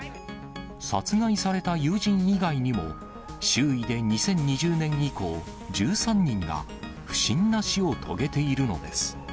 殺害された友人以外にも、周囲で２０２０年以降、１３人が不審な死を遂げているのです。